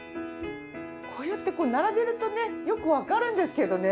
こうやって並べるとねよくわかるんですけどね。